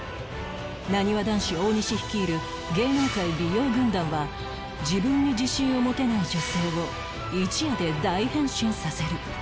なにわ男子大西率いる芸能界美容軍団は自分に自信を持てない女性を一夜で大変身させる